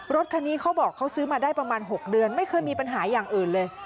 รถคันนี้เขาบอกเขาซื้อมาได้ประมาณ๖เดือนไม่เคยมีปัญหาอย่างอื่นเลย